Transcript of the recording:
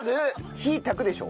火炊くでしょ。